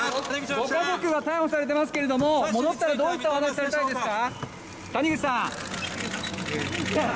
ご家族が逮捕されていますが戻ったらどういったお話されたいですか。